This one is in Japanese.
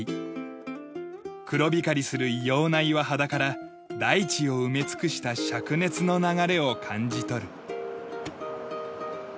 黒光りする異様な岩肌から大地を埋め尽くした灼熱の流れを感じ取る。